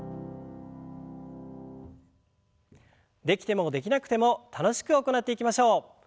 できてもできなくても楽しく行っていきましょう。